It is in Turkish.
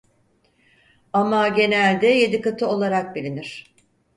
Ama genelde yedi kıta olarak bilinir.